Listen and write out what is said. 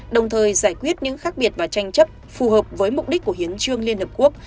đồng thời giải quyết những khác biệt và tranh chấp phù hợp với mục đích của hiến trương liên hợp quốc